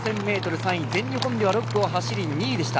３位全日本では６区を走り２位でした。